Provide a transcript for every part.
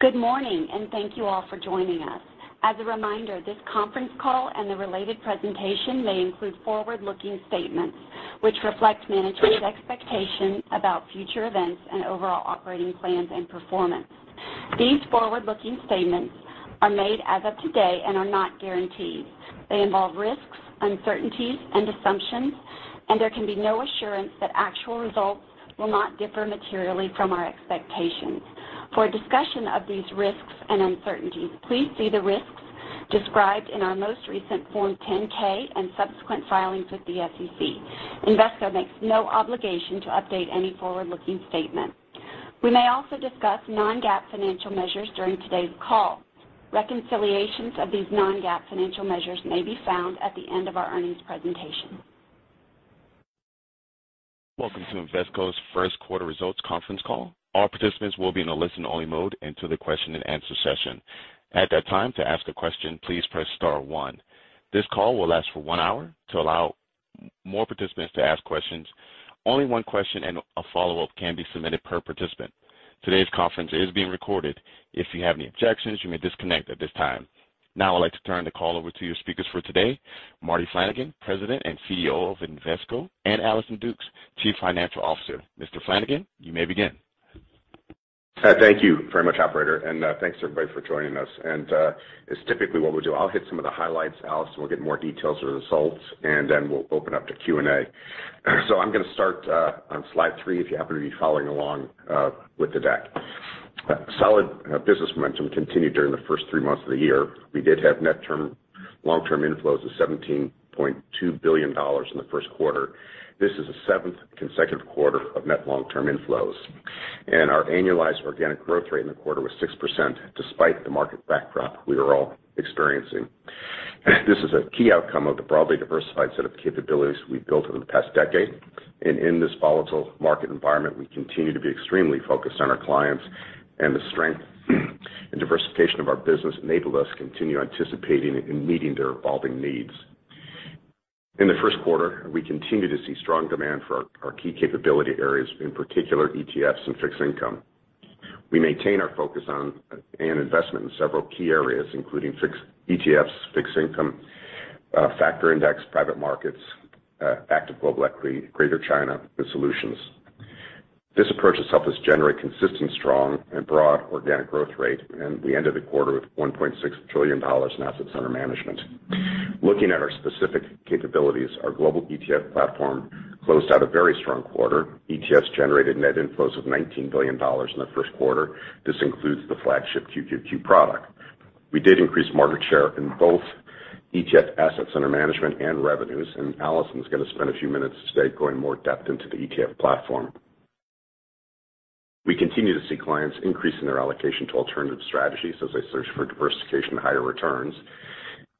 Good morning, and thank you all for joining us. As a reminder, this conference call and the related presentation may include forward-looking statements, which reflect management's expectations about future events and overall operating plans and performance. These forward-looking statements are made as of today and are not guarantees. They involve risks, uncertainties, and assumptions, and there can be no assurance that actual results will not differ materially from our expectations. For a discussion of these risks and uncertainties, please see the risks described in our most recent Form 10-K and subsequent filings with the SEC. Invesco makes no obligation to update any forward-looking statement. We may also discuss non-GAAP financial measures during today's call. Reconciliations of these non-GAAP financial measures may be found at the end of our earnings presentation. Welcome to Invesco's Q1 results conference call. All participants will be in a listen-only mode until the question-and-answer session. At that time, to ask a question, please press star one. This call will last for one hour. To allow more participants to ask questions, only one question and a follow-up can be submitted per participant. Today's conference is being recorded. If you have any objections, you may disconnect at this time. Now I'd like to turn the call over to your speakers for today, Marty Flanagan, President and CEO of Invesco, and Allison Dukes, Chief Financial Officer. Mr. Flanagan, you may begin. Thank you very much, operator, and thanks, everybody, for joining us. It's typically what we'll do. I'll hit some of the highlights, Allison will get more details of the results, and then we'll open up to Q&A. I'm gonna start on slide three, if you happen to be following along with the deck. Solid business momentum continued during the first three months of the year. We did have net long-term inflows of $17.2 billion in the Q1. This is the seventh consecutive quarter of net long-term inflows. Our annualized organic growth rate in the quarter was 6% despite the market backdrop we are all experiencing. This is a key outcome of the broadly diversified set of capabilities we've built over the past decade. In this volatile market environment, we continue to be extremely focused on our clients, and the strength and diversification of our business enable us to continue anticipating and meeting their evolving needs. In the Q1, we continued to see strong demand for our key capability areas, in particular ETFs and fixed income. We maintain our focus on and investment in several key areas, including ETFs, fixed income, factor index, private markets, active global equity, Greater China, and solutions. This approach has helped us generate consistent, strong, and broad organic growth rate, and we ended the quarter with $1.6 trillion in assets under management. Looking at our specific capabilities, our global ETF platform closed out a very strong quarter. ETFs generated net inflows of $19 billion in the Q1. This includes the flagship QQQ product. We did increase market share in both ETF assets under management and revenues, and Allison's gonna spend a few minutes today going more in-depth into the ETF platform. We continue to see clients increasing their allocation to alternative strategies as they search for diversification and higher returns.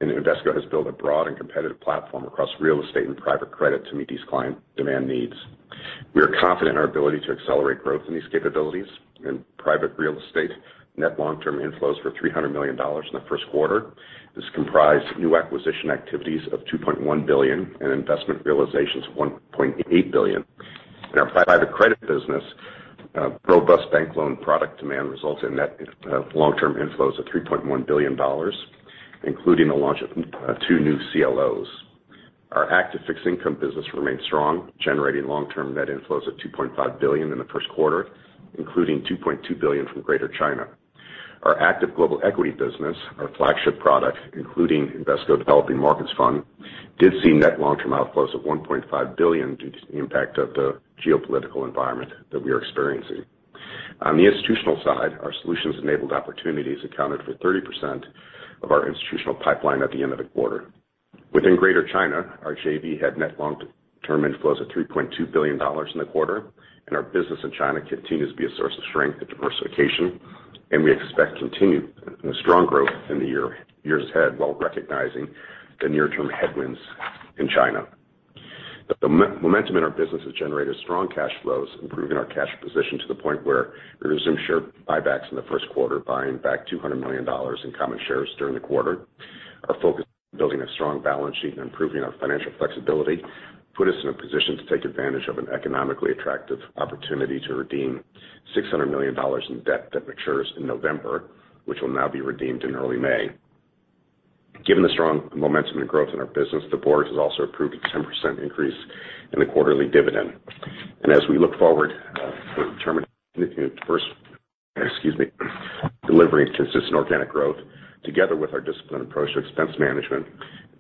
Invesco has built a broad and competitive platform across real estate and private credit to meet these client demand needs. We are confident in our ability to accelerate growth in these capabilities. In private real estate, net long-term inflows were $300 million in the Q1. This comprised new acquisition activities of $2.1 billion and investment realizations of $1.8 billion. In our private credit business, robust bank loan product demand results in net long-term inflows of $3.1 billion, including the launch of two new CLOs. Our active fixed income business remained strong, generating long-term net inflows of $2.5 billion in the Q1, including $2.2 billion from Greater China. Our active global equity business, our flagship product, including Invesco Developing Markets Fund, did see net long-term outflows of $1.5 billion due to the impact of the geopolitical environment that we are experiencing. On the institutional side, our solutions-enabled opportunities accounted for 30% of our institutional pipeline at the end of the quarter. Within Greater China, our JV had net long-term inflows of $3.2 billion in the quarter, and our business in China continues to be a source of strength and diversification, and we expect continued strong growth in the years ahead while recognizing the near-term headwinds in China. The momentum in our business has generated strong cash flows, improving our cash position to the point where we resumed share buybacks in the Q1, buying back $200 million in common shares during the quarter. Our focus on building a strong balance sheet and improving our financial flexibility put us in a position to take advantage of an economically attractive opportunity to redeem $600 million in debt that matures in November, which will now be redeemed in early May. Given the strong momentum and growth in our business, the board has also approved a 10% increase in the quarterly dividend. As we look forward, we're determined to continue to. Excuse me. Delivering consistent organic growth together with our disciplined approach to expense management,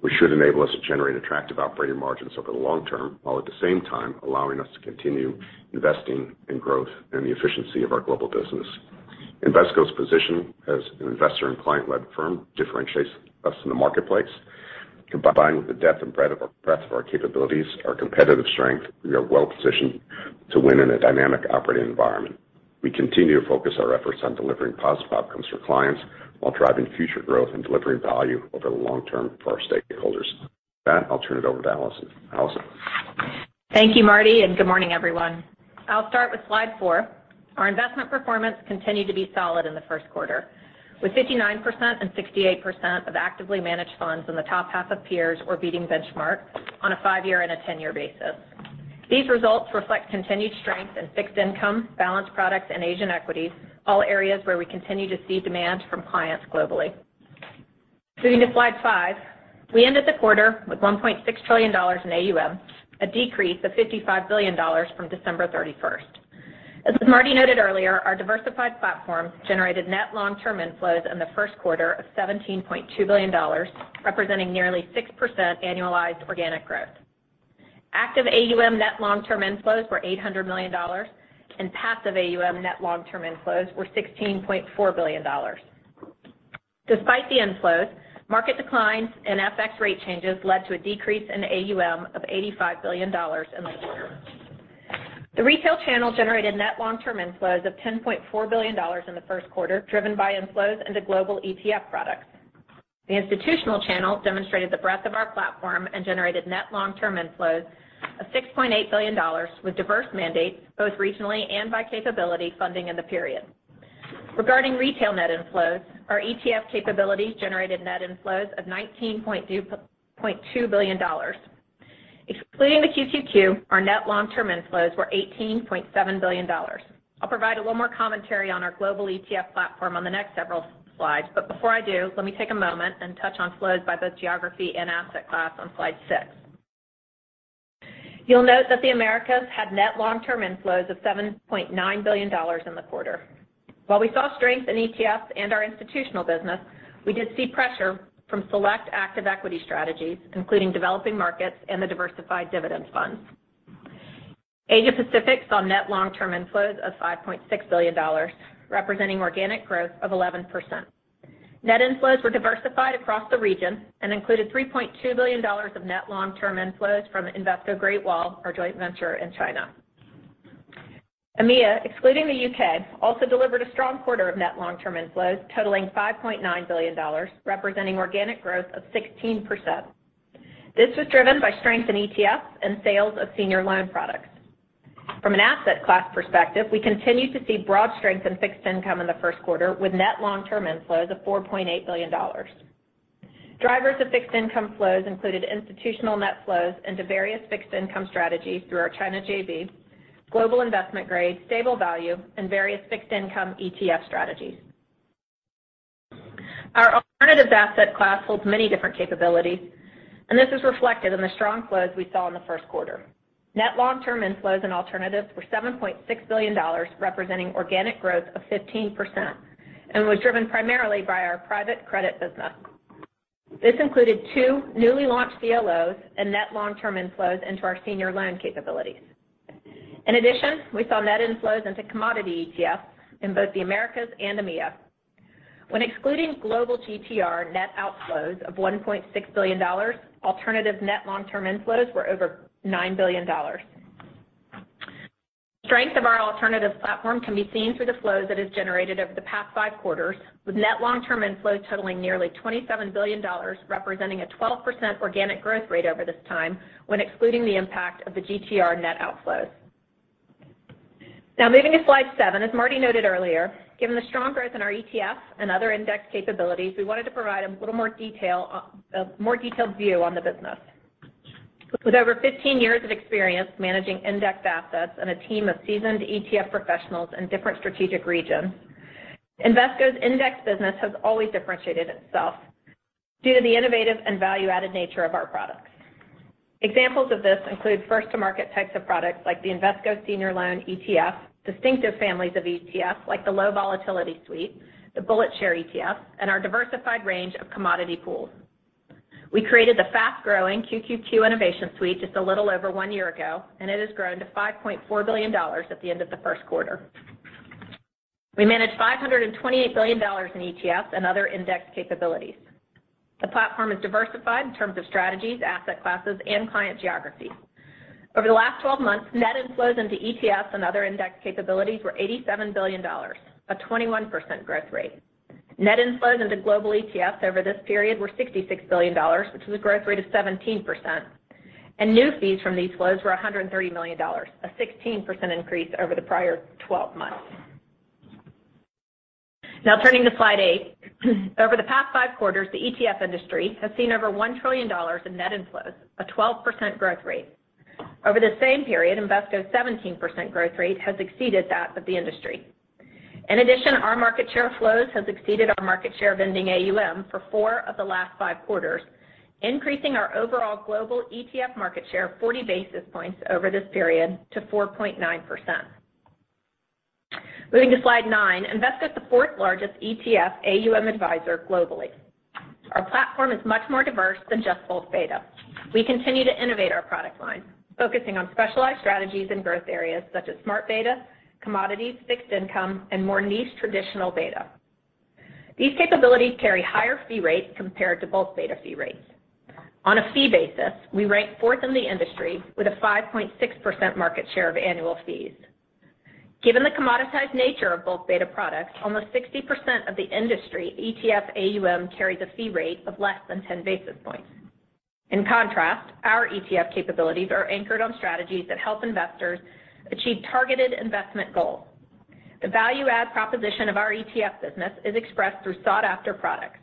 which should enable us to generate attractive operating margins over the long term, while at the same time allowing us to continue investing in growth and the efficiency of our global business. Invesco's position as an investor and client-led firm differentiates us in the marketplace. Combined with the depth and breadth of our capabilities, our competitive strength, we are well-positioned to win in a dynamic operating environment. We continue to focus our efforts on delivering positive outcomes for clients while driving future growth and delivering value over the long term for our stakeholders. With that, I'll turn it over to Allison. Allison? Thank you, Marty, and good morning, everyone. I'll start with slide four. Our investment performance continued to be solid in the Q1, with 59% and 68% of actively managed funds in the top half of peers or beating benchmark on a five-year and 10-year basis. These results reflect continued strength in fixed income, balanced products, and Asian equities, all areas where we continue to see demand from clients globally. Moving to slide five. We ended the quarter with $1.6 trillion in AUM, a decrease of $55 billion from December 31st. As Marty noted earlier, our diversified platforms generated net long-term inflows in the Q1 of $17.2 billion, representing nearly 6% annualized organic growth. Active AUM net long-term inflows were $800 million, and passive AUM net long-term inflows were $16.4 billion. Despite the inflows, market declines and FX rate changes led to a decrease in AUM of $85 billion in the quarter. The retail channel generated net long-term inflows of $10.4 billion in the Q1, driven by inflows into global ETF products. The institutional channel demonstrated the breadth of our platform and generated net long-term inflows of $6.8 billion, with diverse mandates, both regionally and by capability funding in the period. Regarding retail net inflows, our ETF capability generated net inflows of $19.2 billion. Excluding the QQQ, our net long-term inflows were $18.7 billion. I'll provide a little more commentary on our global ETF platform on the next several slides, but before I do, let me take a moment and touch on flows by both geography and asset class on slide six. You'll note that the Americas had net long-term inflows of $7.9 billion in the quarter. While we saw strength in ETFs and our institutional business, we did see pressure from select active equity strategies, including Developing Markets and the Diversified Dividend funds. Asia Pacific saw net long-term inflows of $5.6 billion, representing organic growth of 11%. Net inflows were diversified across the region and included $3.2 billion of net long-term inflows from Invesco Great Wall, our joint venture in China. EMEA, excluding the U.K., also delivered a strong quarter of net long-term inflows, totaling $5.9 billion, representing organic growth of 16%. This was driven by strength in ETFs and sales of senior loan products. From an asset class perspective, we continue to see broad strength in fixed income in the Q1, with net long-term inflows of $4.8 billion. Drivers of fixed income flows included institutional net flows into various fixed income strategies through our China JV, global investment grade, stable value, and various fixed income ETF strategies. Our alternatives asset class holds many different capabilities, and this is reflected in the strong flows we saw in the Q1. Net long-term inflows in alternatives were $7.6 billion, representing organic growth of 15%, and was driven primarily by our private credit business. This included two newly launched CLOs and net long-term inflows into our senior loan capabilities. In addition, we saw net inflows into commodity ETFs in both the Americas and EMEA. When excluding global GTR net outflows of $1.6 billion, alternatives net long-term inflows were over $9 billion. Strength of our alternatives platform can be seen through the flows that is generated over the past five quarters, with net long-term inflows totaling nearly $27 billion, representing a 12% organic growth rate over this time when excluding the impact of the GTR net outflows. Now moving to slide seven. As Marty noted earlier, given the strong growth in our ETFs and other index capabilities, we wanted to provide a little more detail, a more detailed view on the business. With over 15 years of experience managing index assets and a team of seasoned ETF professionals in different strategic regions, Invesco's index business has always differentiated itself due to the innovative and value-added nature of our products. Examples of this include first to market types of products like the Invesco Senior Loan ETF, distinctive families of ETFs like the Low Volatility Suite, the BulletShares ETF, and our diversified range of commodity pools. We created the fast-growing QQQ Innovation Suite just a little over one year ago, and it has grown to $5.4 billion at the end of the Q1. We manage $528 billion in ETFs and other index capabilities. The platform is diversified in terms of strategies, asset classes, and client geographies. Over the last 12 months, net inflows into ETFs and other index capabilities were $87 billion, a 21% growth rate. Net inflows into global ETFs over this period were $66 billion, which is a growth rate of 17%. New fees from these flows were $130 million, a 16% increase over the prior 12 months. Now turning to slide eight. Over the past five quarters, the ETF industry has seen over $1 trillion in net inflows, a 12% growth rate. Over the same period, Invesco's 17% growth rate has exceeded that of the industry. In addition, our market share of flows has exceeded our market share of ending AUM for four of the last five quarters, increasing our overall global ETF market share 40 basis points over this period to 4.9%. Moving to slide nine. Invesco is the fourth-largest ETF AUM advisor globally. Our platform is much more diverse than just broad beta. We continue to innovate our product line, focusing on specialized strategies in growth areas such as smart beta, commodities, fixed income, and more niche traditional beta. These capabilities carry higher fee rates compared to broad beta fee rates. On a fee basis, we rank fourth in the industry with a 5.6% market share of annual fees. Given the commoditized nature of broad beta products, almost 60% of the industry ETF AUM carries a fee rate of less than 10 basis points. In contrast, our ETF capabilities are anchored on strategies that help investors achieve targeted investment goals. The value add proposition of our ETF business is expressed through sought-after products.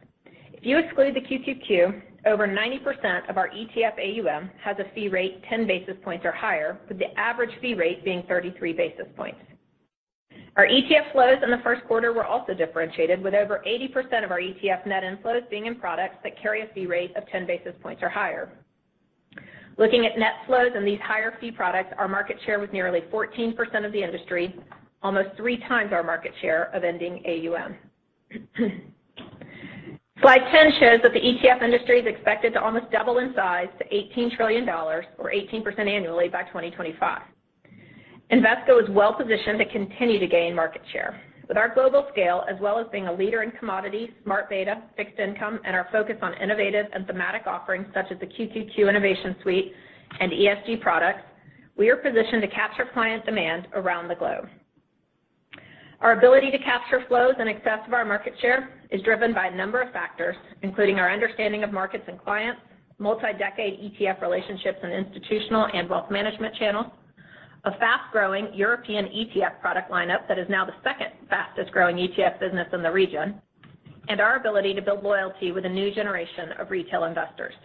If you exclude the QQQ, over 90% of our ETF AUM has a fee rate 10 basis points or higher, with the average fee rate being 33 basis points. Our ETF flows in the Q1 were also differentiated, with over 80% of our ETF net inflows being in products that carry a fee rate of 10 basis points or higher. Looking at net flows in these higher fee products, our market share was nearly 14% of the industry, almost 3 times our market share of ending AUM. Slide 10 shows that the ETF industry is expected to almost double in size to $18 trillion or 18% annually by 2025. Invesco is well-positioned to continue to gain market share. With our global scale, as well as being a leader in commodity, smart beta, fixed income, and our focus on innovative and thematic offerings such as the QQQ Innovation Suite and ESG products, we are positioned to capture client demand around the globe. Our ability to capture flows in excess of our market share is driven by a number of factors, including our understanding of markets and clients, multi-decade ETF relationships in institutional and wealth management channels, a fast-growing European ETF product lineup that is now the second fastest-growing ETF business in the region, and our ability to build loyalty with a new generation of retail investors.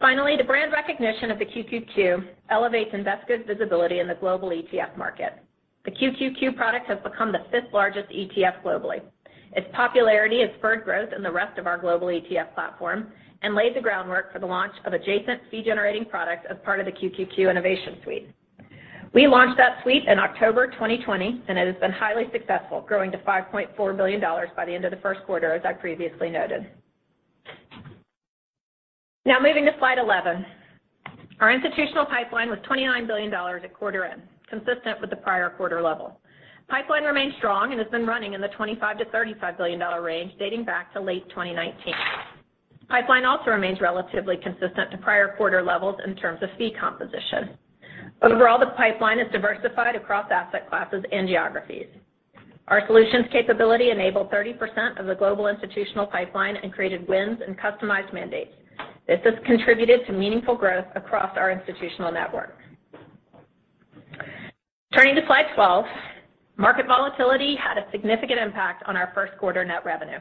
Finally, the brand recognition of the QQQ elevates Invesco's visibility in the global ETF market. The QQQ product has become the fifth-largest ETF globally. Its popularity has spurred growth in the rest of our global ETF platform and laid the groundwork for the launch of adjacent fee-generating products as part of the QQQ Innovation Suite. We launched that suite in October 2020, and it has been highly successful, growing to $5.4 billion by the end of the Q1, as I previously noted. Now moving to slide 11. Our institutional pipeline was $29 billion at quarter end, consistent with the prior quarter level. Pipeline remains strong and has been running in the $25 billion-$35 billion range dating back to late 2019. Pipeline also remains relatively consistent to prior quarter levels in terms of fee composition. Overall, the pipeline is diversified across asset classes and geographies. Our solutions capability enabled 30% of the global institutional pipeline and created wins in customized mandates. This has contributed to meaningful growth across our institutional network. Turning to slide 12. Market volatility had a significant impact on our Q1 net revenue.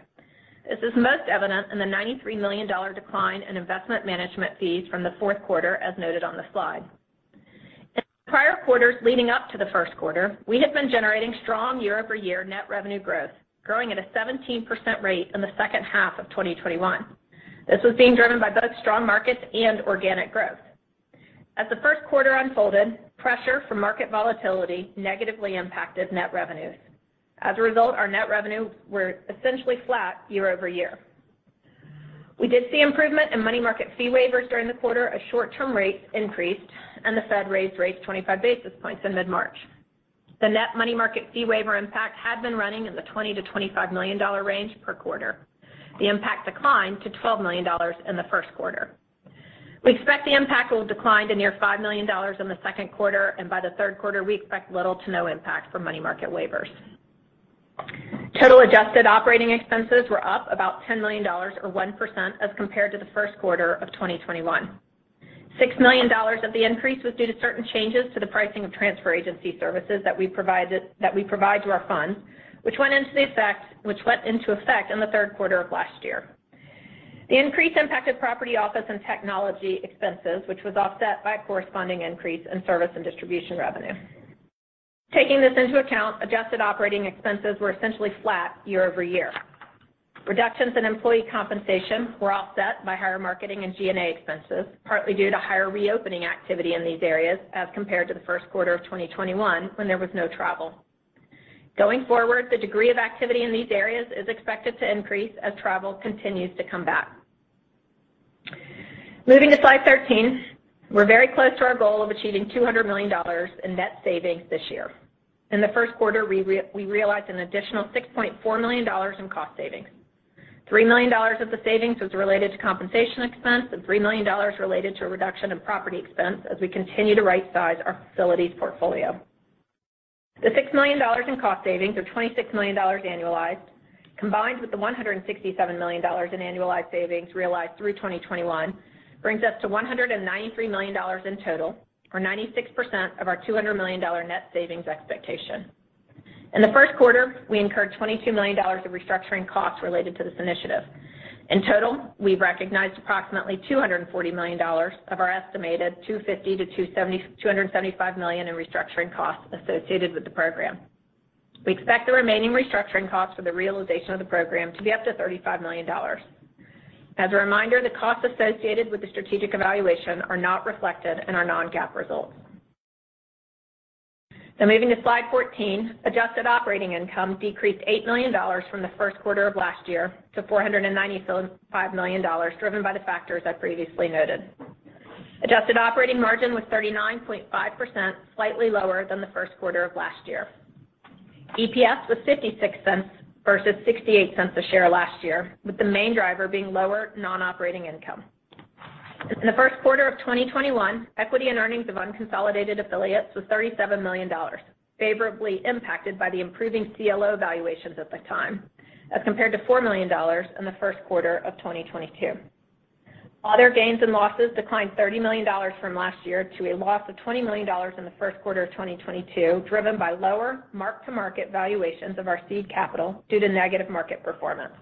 This is most evident in the $93 million decline in investment management fees from the Q4, as noted on the slide. In prior quarters leading up to the Q1, we have been generating strong year-over-year net revenue growth, growing at a 17% rate in the second half of 2021. This was being driven by both strong markets and organic growth. As the Q1 unfolded, pressure from market volatility negatively impacted net revenues. As a result, our net revenue were essentially flat year-over-year. We did see improvement in money market fee waivers during the quarter as short-term rates increased and the Fed raised rates 25 basis points in mid-March. The net money market fee waiver impact had been running in the $20 million to $25 million range per quarter. The impact declined to $12 million in the Q1. We expect the impact will decline to near $5 million in the Q2, and by the Q3, we expect little to no impact from money market waivers. Total adjusted operating expenses were up about $10 million or 1% as compared to the Q1 of 2021. $6 million of the increase was due to certain changes to the pricing of transfer agency services that we provide to our funds, which went into effect in the Q3 of last year. The increase impacted property, office, and technology expenses, which was offset by a corresponding increase in service and distribution revenue. Taking this into account, adjusted operating expenses were essentially flat year over year. Reductions in employee compensation were offset by higher marketing and G&A expenses, partly due to higher reopening activity in these areas as compared to the Q1 of 2021 when there was no travel. Going forward, the degree of activity in these areas is expected to increase as travel continues to come back. Moving to slide 13, we're very close to our goal of achieving $200 million in net savings this year. In the Q1, we realized an additional $6.4 million in cost savings. $3 million of the savings was related to compensation expense, and $3 million related to a reduction in property expense as we continue to rightsize our facilities portfolio. The $6 million in cost savings, or $26 million annualized, combined with the $167 million in annualized savings realized through 2021, brings us to $193 million in total, or 96% of our $200 million net savings expectation. In the Q1, we incurred $22 million of restructuring costs related to this initiative. In total, we've recognized approximately $240 million of our estimated $250 to $275 million in restructuring costs associated with the program. We expect the remaining restructuring costs for the realization of the program to be up to $35 million. As a reminder, the costs associated with the strategic evaluation are not reflected in our non-GAAP results. Now moving to slide 14. Adjusted operating income decreased $8 million from the Q1 of last year to $495 million, driven by the factors I previously noted. Adjusted operating margin was 39.5%, slightly lower than the Q1 of last year. EPS was $0.56 versus $0.68 a share last year, with the main driver being lower non-operating income. In the Q1 of 2021, equity and earnings of unconsolidated affiliates was $37 million, favorably impacted by the improving CLO valuations at the time, as compared to $4 million in the Q1 of 2022. Other gains and losses declined $30 million from last year to a loss of $20 million in the Q1 of 2022, driven by lower mark-to-market valuations of our seed capital due to negative market performance.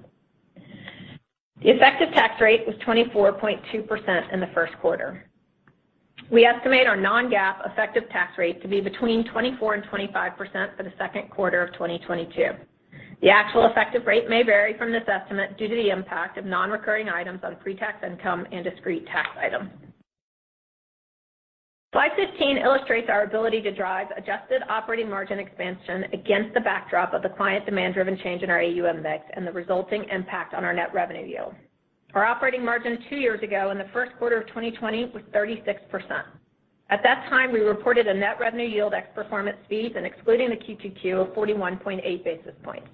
The effective tax rate was 24.2% in the Q1. We estimate our non-GAAP effective tax rate to be between 24%-25% for the Q2 of 2022. The actual effective rate may vary from this estimate due to the impact of non-recurring items on pre-tax income and discrete tax items. Slide 15 illustrates our ability to drive adjusted operating margin expansion against the backdrop of the client demand-driven change in our AUM mix and the resulting impact on our net revenue yield. Our operating margin two years ago in the Q1 of 2020 was 36%. At that time, we reported a net revenue yield ex performance fees and excluding the QQQ of 41.8 basis points.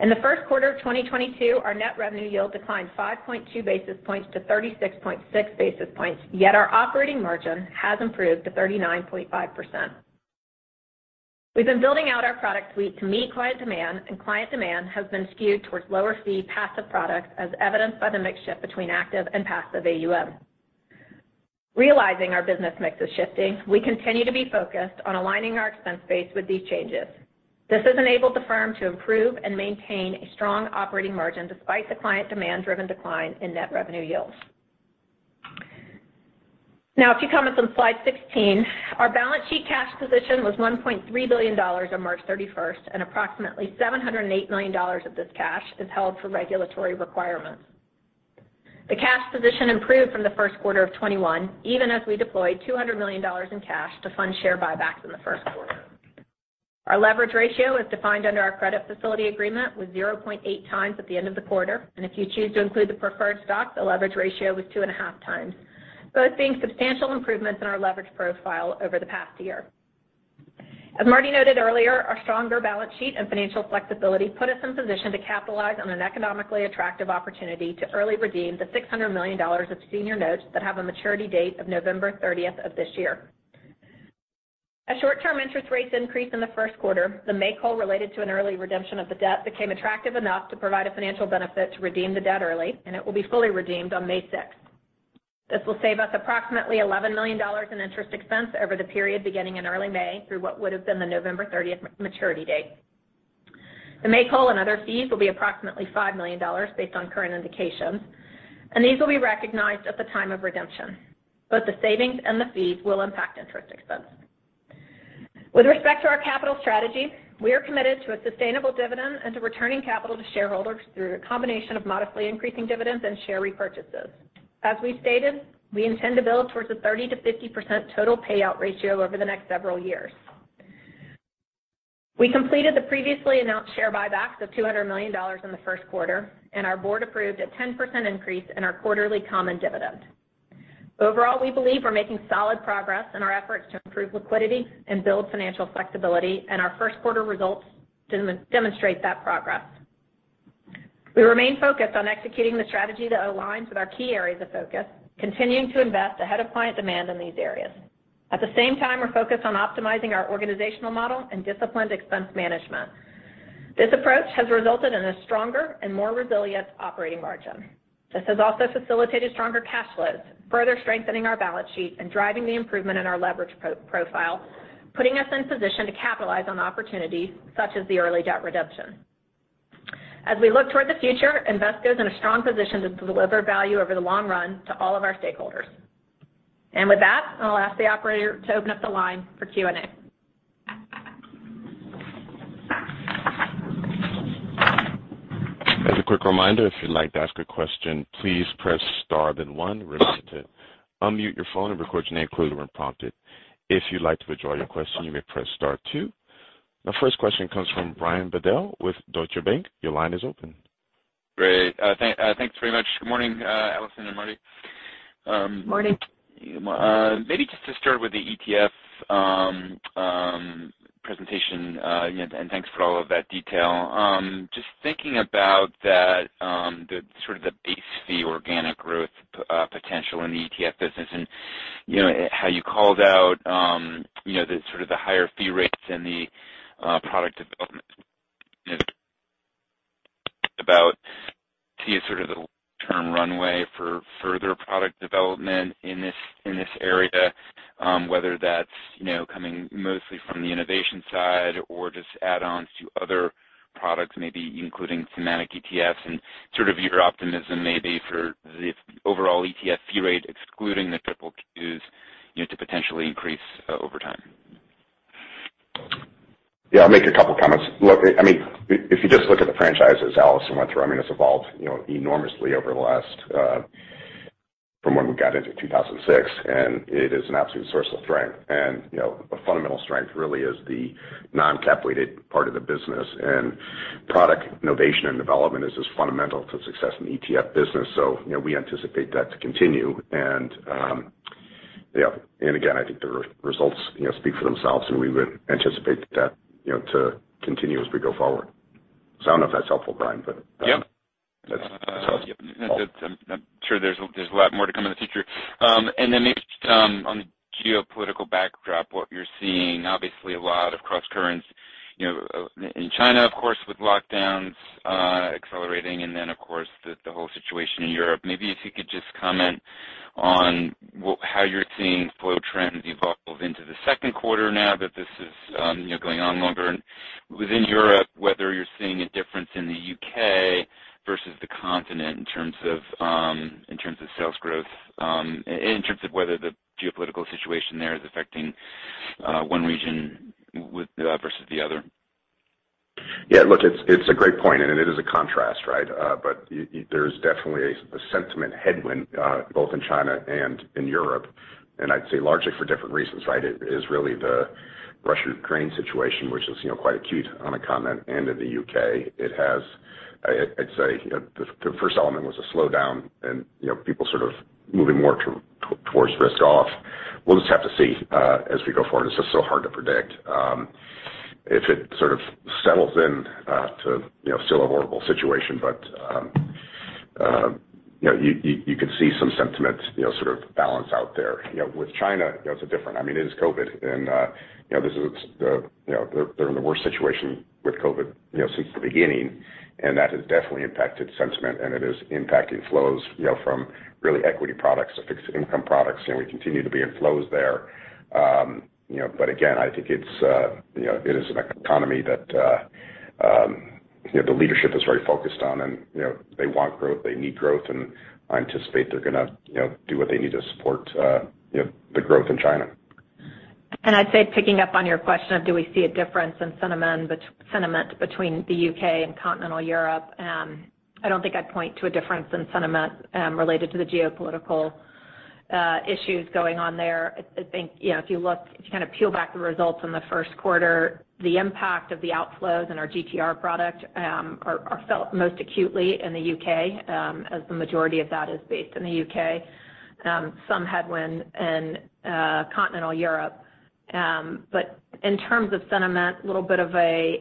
In the Q1 of 2022, our net revenue yield declined 5.2 basis points to 36.6 basis points, yet our operating margin has improved to 39.5%. We've been building out our product suite to meet client demand, and client demand has been skewed towards lower fee passive products as evidenced by the mix shift between active and passive AUM. Realizing our business mix is shifting, we continue to be focused on aligning our expense base with these changes. This has enabled the firm to improve and maintain a strong operating margin despite the client demand-driven decline in net revenue yields. Now, a few comments on slide 16. Our balance sheet cash position was $1.3 billion on March 31, and approximately $708 million of this cash is held for regulatory requirements. The cash position improved from the Q1 of 2021, even as we deployed $200 million in cash to fund share buybacks in the Q1. Our leverage ratio is defined under our credit facility agreement with 0.8 times at the end of the quarter. If you choose to include the preferred stock, the leverage ratio was 2.5 times, both being substantial improvements in our leverage profile over the past year. As Marty noted earlier, our stronger balance sheet and financial flexibility put us in position to capitalize on an economically attractive opportunity to early redeem the $600 million of senior notes that have a maturity date of November 30th of this year. As short-term interest rates increased in the Q1, the make-whole related to an early redemption of the debt became attractive enough to provide a financial benefit to redeem the debt early, and it will be fully redeemed on May 6th. This will save us approximately $11 million in interest expense over the period beginning in early May through what would have been the November 30th maturity date. The make-whole and other fees will be approximately $5 million based on current indications, and these will be recognized at the time of redemption. Both the savings and the fees will impact interest expense. With respect to our capital strategy, we are committed to a sustainable dividend and to returning capital to shareholders through a combination of modestly increasing dividends and share repurchases. As we've stated, we intend to build towards a 30%-50% total payout ratio over the next several years. We completed the previously announced share buybacks of $200 million in the Q1, and our board approved a 10% increase in our quarterly common dividend. Overall, we believe we're making solid progress in our efforts to improve liquidity and build financial flexibility, and our Q1 results demonstrate that progress. We remain focused on executing the strategy that aligns with our key areas of focus, continuing to invest ahead of client demand in these areas. At the same time, we're focused on optimizing our organizational model and disciplined expense management. This approach has resulted in a stronger and more resilient operating margin. This has also facilitated stronger cash flows, further strengthening our balance sheet and driving the improvement in our leverage profile, putting us in position to capitalize on opportunities such as the early debt redemption. As we look toward the future, Invesco is in a strong position to deliver value over the long run to all of our stakeholders. With that, I'll ask the operator to open up the line for Q&A. As a quick reminder, if you'd like to ask a question, please press star, then one. Remember to unmute your phone and record your name clearly when prompted. If you'd like to withdraw your question, you may press star two. Our first question comes from Brian Bedell with Deutsche Bank. Your line is open. Great. Thanks very much. Good morning, Allison and Marty. Morning. Maybe just to start with the ETF presentation, you know. Thanks for all of that detail. Just thinking about that, sort of the base fee organic growth potential in the ETF business and, you know, how you called out, you know, sort of the higher fee rates and the product development, I see a sort of long-term runway for further product development in this area, whether that's, you know, coming mostly from the innovation side or just add-ons to other products, maybe including thematic ETFs and sort of your optimism maybe for the overall ETF fee rate, excluding the triple Qs, you know, to potentially increase over time. Yeah, I'll make a couple comments. Look, I mean, if you just look at the franchise as Allison went through, I mean, it's evolved, you know, enormously over the last from when we got into 2006, and it is an absolute source of strength. You know, a fundamental strength really is the non-cap weighted part of the business. Product innovation and development is as fundamental to success in the ETF business. You know, we anticipate that to continue. Yeah. Again, I think the results, you know, speak for themselves, and we would anticipate that, you know, to continue as we go forward. I don't know if that's helpful, Brian, but. Yep. That's helpful. I'm sure there's a lot more to come in the future. Maybe on the geopolitical backdrop, what you're seeing, obviously a lot of cross currents, you know, in China, of course, with lockdowns accelerating and then of course the whole situation in Europe. Maybe if you could just comment on how you're seeing flow trends evolve into the Q2 now that this is, you know, going on longer. Within Europe, whether you're seeing a difference in the U.K. versus the continent in terms of sales growth, in terms of whether the geopolitical situation there is affecting one region versus the other. Yeah, look, it's a great point, and it is a contrast, right? There's definitely a sentiment headwind both in China and in Europe, and I'd say largely for different reasons, right? It is really the Russia-Ukraine situation, which is quite acute on the continent and in the U.K. I'd say the first element was a slowdown and people sort of moving more towards risk off. We'll just have to see as we go forward. It's just so hard to predict. If it sort of settles in to still a horrible situation, but you could see some sentiment sort of balance out there. With China, it's a different. I mean, it is COVID, and, you know, this is the, you know, they're in the worst situation with COVID, you know, since the beginning, and that has definitely impacted sentiment, and it is impacting flows, you know, from retail equity products to fixed income products. You know, we continue to see flows there. You know, but again, I think it's, you know, it is an economy that, you know, the leadership is very focused on, and, you know, they want growth, they need growth, and I anticipate they're gonna, you know, do what they need to support, you know, the growth in China. I'd say picking up on your question of do we see a difference in sentiment between the U.K. and continental Europe. I don't think I'd point to a difference in sentiment related to the geopolitical issues going on there. I think, you know, if you look, if you kind of peel back the results in the Q1, the impact of the outflows in our GTR product are felt most acutely in the U.K., as the majority of that is based in the U.K. Some headwind in continental Europe. But in terms of sentiment, a little bit of a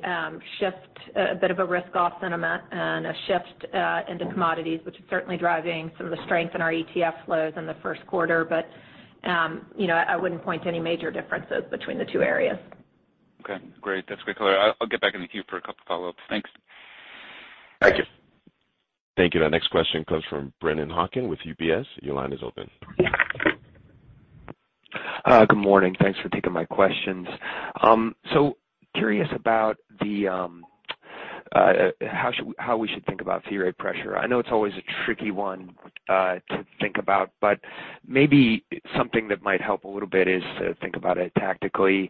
shift, a bit of a risk-off sentiment and a shift into commodities, which is certainly driving some of the strength in our ETF flows in the Q1. you know, I wouldn't point to any major differences between the two areas. Okay. Great. That's great clarity. I'll get back in the queue for a couple follow-ups. Thanks. Thank you. Thank you. The next question comes from Brennan Hawken with UBS. Your line is open. Good morning. Thanks for taking my questions. So curious about how we should think about fee rate pressure. I know it's always a tricky one to think about, but maybe something that might help a little bit is to think about it tactically.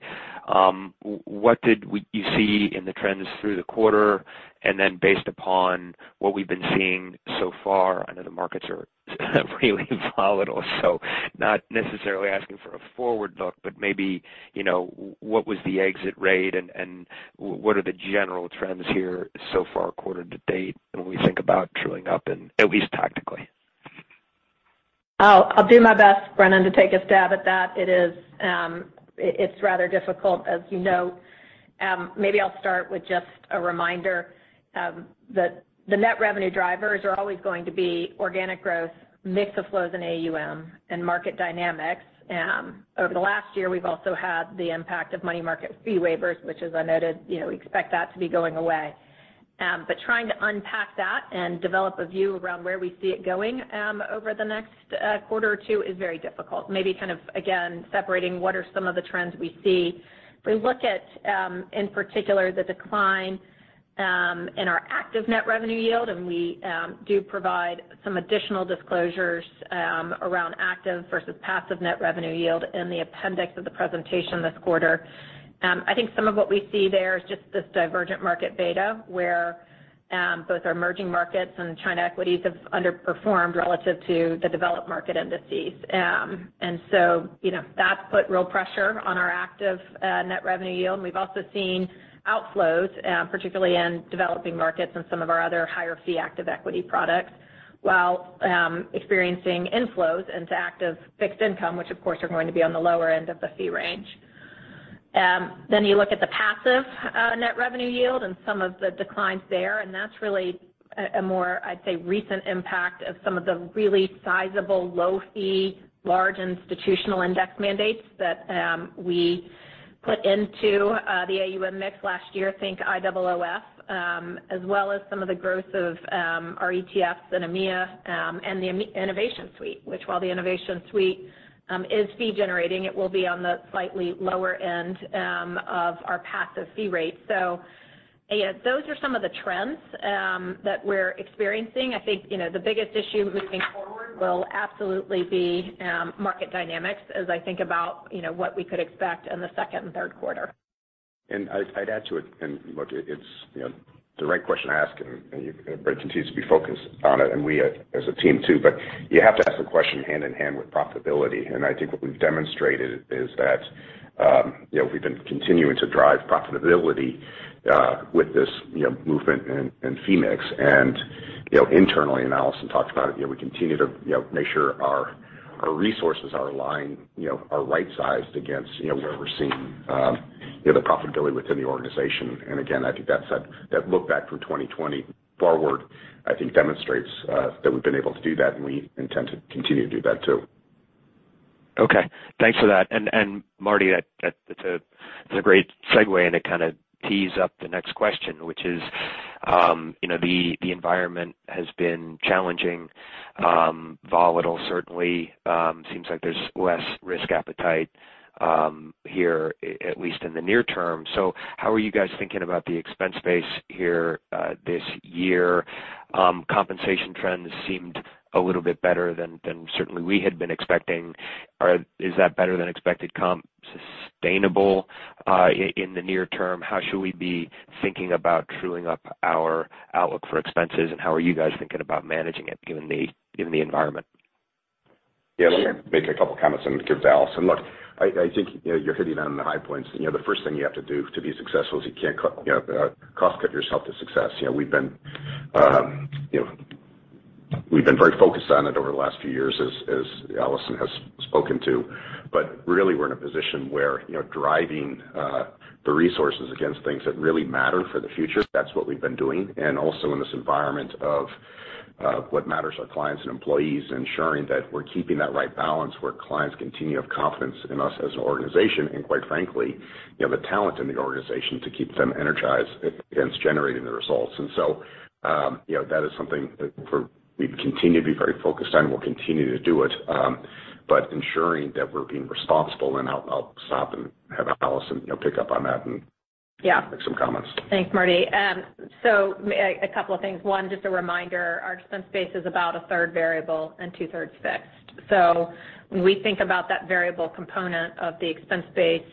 What did you see in the trends through the quarter? Then based upon what we've been seeing so far, I know the markets are really volatile, so not necessarily asking for a forward look. Maybe, you know, what was the exit rate and what are the general trends here so far quarter to date when we think about trailing up and at least tactically? I'll do my best, Brennan, to take a stab at that. It's rather difficult, as you note. Maybe I'll start with just a reminder, that the net revenue drivers are always going to be organic growth, mix of flows in AUM and market dynamics. Over the last year, we've also had the impact of money market fee waivers, which as I noted, you know, we expect that to be going away. Trying to unpack that and develop a view around where we see it going, over the next quarter or two is very difficult. Maybe kind of, again, separating what are some of the trends we see. If we look at in particular the decline in our active net revenue yield, and we do provide some additional disclosures around active versus passive net revenue yield in the appendix of the presentation this quarter. I think some of what we see there is just this divergent market beta, where both our emerging markets and China equities have underperformed relative to the developed market indices. You know, that's put real pressure on our active net revenue yield. We've also seen outflows, particularly in developing markets and some of our other higher fee active equity products, while experiencing inflows into active fixed income, which of course are going to be on the lower end of the fee range. You look at the passive net revenue yield and some of the declines there, and that's really a more, I'd say, recent impact of some of the really sizable low-fee, large institutional index mandates that we put into the AUM mix last year. Think IOOF, as well as some of the growth of our ETFs in EMEA, and the QQQ Innovation Suite, which while the Innovation Suite is fee generating, it will be on the slightly lower end of our passive fee rate. As those are some of the trends that we're experiencing. I think, you know, the biggest issue looking forward will absolutely be market dynamics as I think about, you know, what we could expect in the second and Q3. I'd add to it, and look, it's you know, the right question to ask, and you and continues to be focused on it, and we as a team too. You have to ask the question hand in hand with profitability. I think what we've demonstrated is that, you know, we've been continuing to drive profitability with this, you know, movement in fee mix. You know, internally, and Allison talked about it, you know, we continue to, you know, make sure our resources are aligned, you know, are right-sized against, you know, where we're seeing, you know, the profitability within the organization. Again, I think that's that look back from 2020 forward, I think demonstrates that we've been able to do that, and we intend to continue to do that too. Okay. Thanks for that. Marty, that it's a great segue, and it kind of tees up the next question, which is, you know, the environment has been challenging, volatile certainly. Seems like there's less risk appetite, here at least in the near term. How are you guys thinking about the expense base here, this year? Compensation trends seemed a little bit better than certainly we had been expecting. Is that better-than-expected comp sustainable, in the near term? How should we be thinking about truing up our outlook for expenses, and how are you guys thinking about managing it given the environment? Yeah. Let me make a couple comments and give to Allison. Look, I think, you know, you're hitting on the high points. You know, the first thing you have to do to be successful is you can't cut, you know, cost cut yourself to success. You know, we've been very focused on it over the last few years as Allison has spoken to. But really we're in a position where, you know, driving the resources against things that really matter for the future, that's what we've been doing. Also in this environment of what matters, our clients and employees, ensuring that we're keeping that right balance where clients continue to have confidence in us as an organization, and quite frankly, you know, the talent in the organization to keep them energized against generating the results. You know, that is something that we've continued to be very focused on. We'll continue to do it, but ensuring that we're being responsible, and I'll stop and have Allison, you know, pick up on that and- Yeah. Make some comments. Thanks, Marty. A couple of things. One, just a reminder, our expense base is about a third variable and two-thirds fixed. When we think about that variable component of the expense base,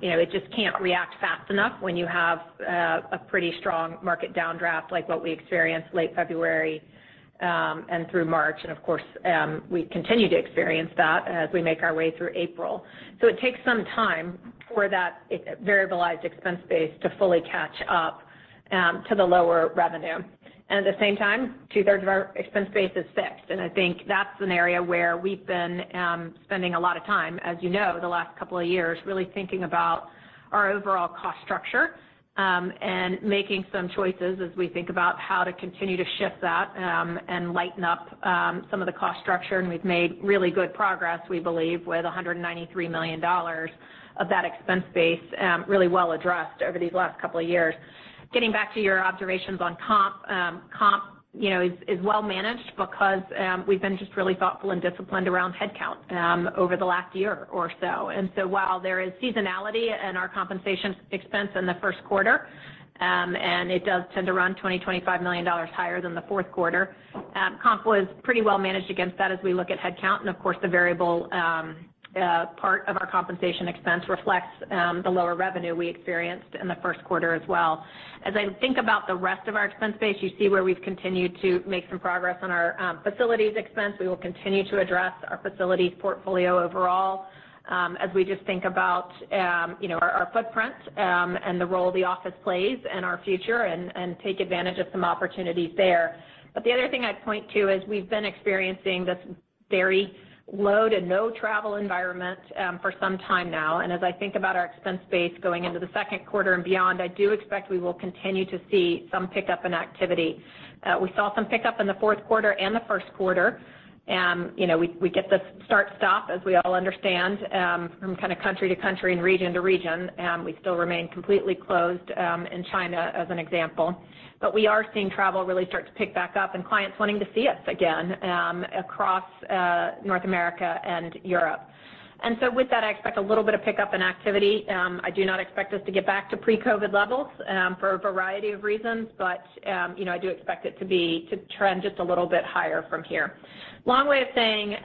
you know, it just can't react fast enough when you have a pretty strong market downdraft like what we experienced late February and through March. Of course, we continue to experience that as we make our way through April. It takes some time for that variable expense base to fully catch up to the lower revenue. At the same time, two-thirds of our expense base is fixed. I think that's an area where we've been spending a lot of time, as you know, the last couple of years, really thinking about our overall cost structure, and making some choices as we think about how to continue to shift that, and lighten up some of the cost structure. We've made really good progress, we believe, with $193 million of that expense base really well addressed over these last couple of years. Getting back to your observations on comp. Comp, you know, is well managed because we've been just really thoughtful and disciplined around headcount over the last year or so. While there is seasonality in our compensation expense in the Q1, and it does tend to run $20 million to $25 million higher than the Q4, comp was pretty well managed against that as we look at headcount. Of course, the variable, part of our compensation expense reflects the lower revenue we experienced in the Q1 as well. As I think about the rest of our expense base, you see where we've continued to make some progress on our facilities expense. We will continue to address our facilities portfolio overall, as we just think about you know, our footprint and the role the office plays in our future and take advantage of some opportunities there. The other thing I'd point to is we've been experiencing this very low to no travel environment for some time now. As I think about our expense base going into the Q2 and beyond, I do expect we will continue to see some pickup in activity. We saw some pickup in the Q4 and the Q1. You know, we get the start stop, as we all understand, from kind of country to country and region to region. We still remain completely closed in China as an example. We are seeing travel really start to pick back up and clients wanting to see us again across North America and Europe. With that, I expect a little bit of pickup in activity. I do not expect us to get back to pre-COVID levels, for a variety of reasons, but, you know, I do expect it to trend just a little bit higher from here. Long way of saying,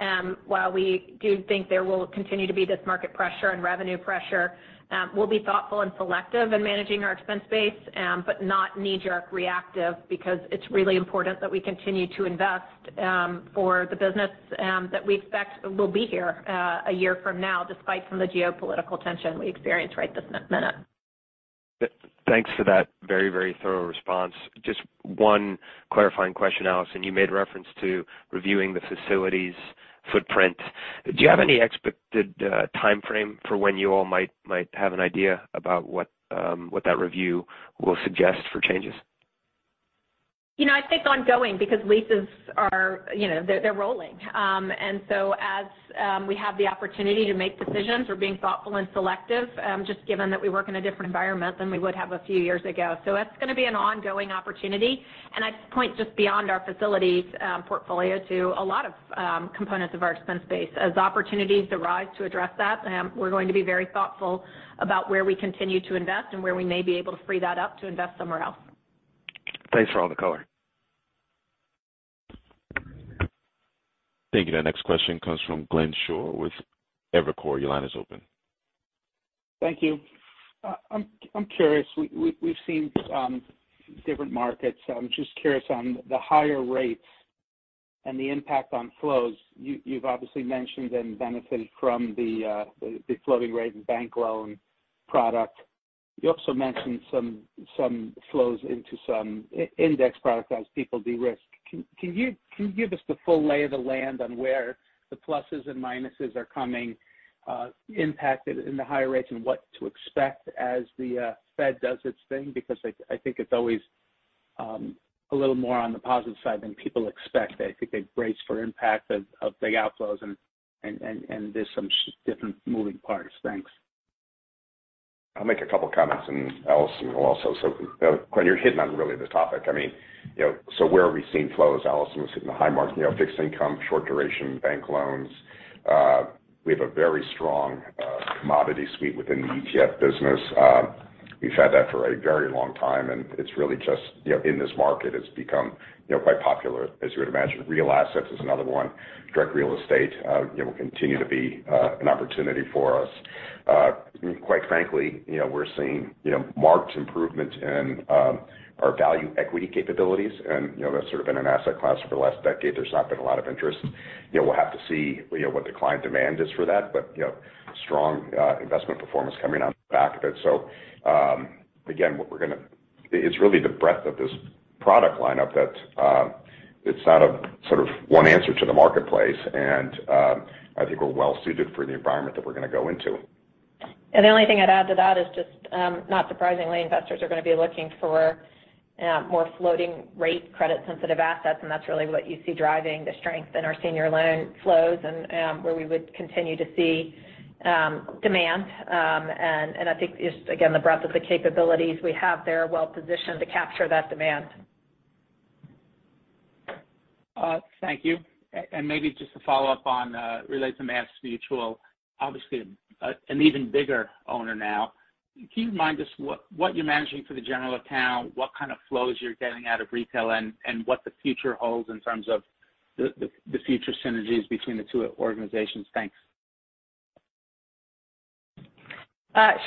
while we do think there will continue to be this market pressure and revenue pressure, we'll be thoughtful and selective in managing our expense base, but not knee-jerk reactive because it's really important that we continue to invest, for the business, that we expect will be here, a year from now, despite some of the geopolitical tension we experience right this minute. Thanks for that very, very thorough response. Just one clarifying question, Allison. You made reference to reviewing the facilities footprint. Do you have any expected timeframe for when you all might have an idea about what that review will suggest for changes? You know, I think ongoing because leases are, you know, they're rolling. As we have the opportunity to make decisions, we're being thoughtful and selective, just given that we work in a different environment than we would have a few years ago. That's gonna be an ongoing opportunity. I'd point just beyond our facilities portfolio to a lot of components of our expense base. As opportunities arise to address that, we're going to be very thoughtful about where we continue to invest and where we may be able to free that up to invest somewhere else. Thanks for all the color. Thank you. The next question comes from Glenn Schorr with Evercore. Your line is open. Thank you. I'm curious. We've seen different markets. I'm just curious on the higher rates and the impact on flows. You've obviously mentioned and benefited from the floating rate and bank loan product. You also mentioned some flows into some IG index products as people de-risk. Can you give us the full lay of the land on where the pluses and minuses are coming impacted in the higher rates and what to expect as the Fed does its thing? Because I think it's always a little more on the positive side than people expect. I think they braced for impact of big outflows and there's some different moving parts. Thanks. I'll make a couple comments, and Allison will also. Glenn, you're hitting on really the topic. I mean, you know, so where are we seeing flows? Allison was hitting the high mark, you know, fixed income, short duration, bank loans. We have a very strong commodity suite within the ETF business. We've had that for a very long time, and it's really just, you know, in this market, it's become, you know, quite popular, as you would imagine. Real assets is another one. Direct real estate, you know, will continue to be an opportunity for us. Quite frankly, you know, we're seeing, you know, marked improvement in our value equity capabilities, and, you know, that's sort of been an asset class for the last decade. There's not been a lot of interest. You know, we'll have to see, you know, what the client demand is for that. You know, strong investment performance coming on the back of it. Again, it's really the breadth of this product lineup that it's not a sort of one answer to the marketplace. I think we're well suited for the environment that we're gonna go into. The only thing I'd add to that is just, not surprisingly, investors are gonna be looking for more floating rate credit-sensitive assets, and that's really what you see driving the strength in our senior loan flows and where we would continue to see demand. I think just again, the breadth of the capabilities we have there are well-positioned to capture that demand. Thank you. Maybe just to follow up on relates to MassMutual, obviously, an even bigger owner now. Can you remind us what you're managing for the general account, what kind of flows you're getting out of retail and what the future holds in terms of the future synergies between the two organizations? Thanks.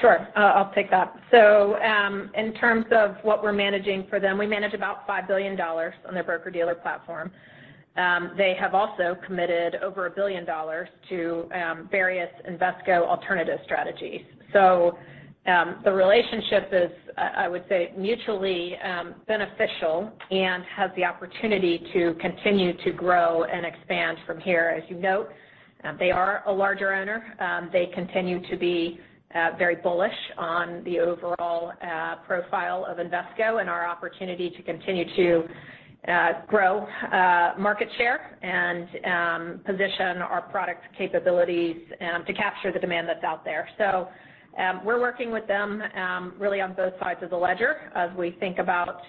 Sure. I'll take that. In terms of what we're managing for them, we manage about $5 billion on their broker-dealer platform. They have also committed over $1 billion to various Invesco alternative strategies. The relationship is, I would say mutually beneficial and has the opportunity to continue to grow and expand from here. As you note, they are a larger owner. They continue to be very bullish on the overall profile of Invesco and our opportunity to continue to grow market share and position our product capabilities to capture the demand that's out there. We're working with them, really on both sides of the ledger as we think about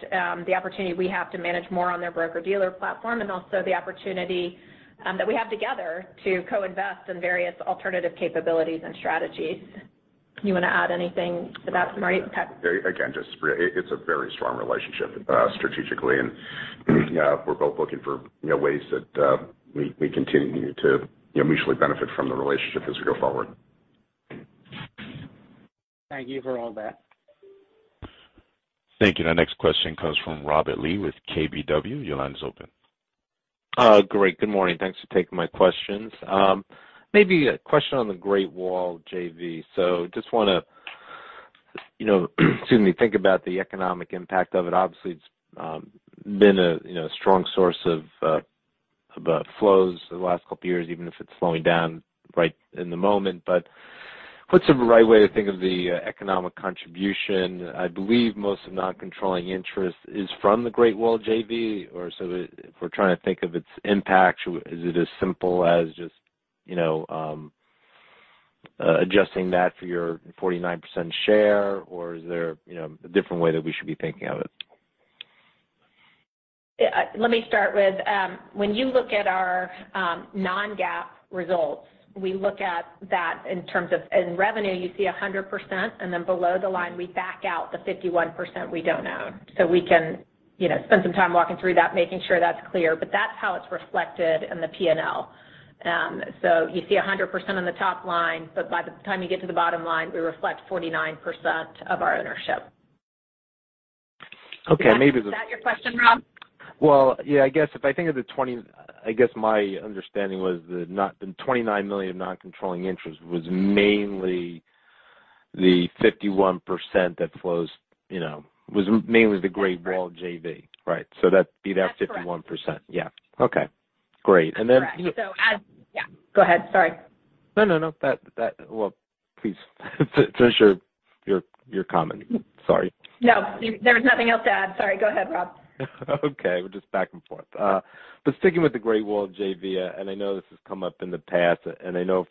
the opportunity we have to manage more on their broker-dealer platform and also the opportunity that we have together to co-invest in various alternative capabilities and strategies. You wanna add anything to that, Marty? Again, just it's a very strong relationship, strategically, and we're both looking for, you know, ways that we continue to, you know, mutually benefit from the relationship as we go forward. Thank you for all that. Thank you. The next question comes from Robert Lee with KBW. Your line is open. Great. Good morning. Thanks for taking my questions. Maybe a question on the Great Wall JV. Just wanna, you know, excuse me, think about the economic impact of it. Obviously, it's been a, you know, strong source of flows for the last couple of years, even if it's slowing down right in the moment. What's the right way to think of the economic contribution? I believe most of non-controlling interest is from the Great Wall JV, or so if we're trying to think of its impact, is it as simple as just, you know, adjusting that for your 49% share, or is there, you know, a different way that we should be thinking of it? Yeah. Let me start with, when you look at our non-GAAP results, we look at that in terms of in revenue, you see 100%, and then below the line, we back out the 51% we don't own. We can, you know, spend some time walking through that, making sure that's clear. That's how it's reflected in the P&L. You see 100% on the top line, but by the time you get to the bottom line, we reflect 49% of our ownership. Okay. Is that your question, Rob? Well, yeah, I guess my understanding was the $29 million non-controlling interest was mainly the 51% that flows, you know, was mainly the Great Wall JV, right? So that'd be that. That's correct. 51%. Yeah. Okay. Great. And then- Correct. Yeah, go ahead. Sorry. No. That. Well, please finish your comment. Sorry. No, there was nothing else to add. Sorry. Go ahead, Rob. Okay. We're just back and forth. Sticking with the Great Wall JV, and I know this has come up in the past, and I know